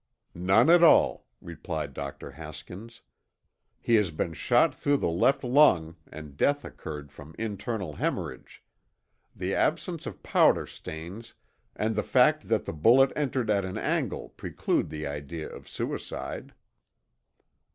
"None at all," replied Dr. Haskins. "He has been shot through the left lung and death occurred from internal hemorrhage. The absence of powder stains and the fact that the bullet entered at an angle preclude the idea of suicide."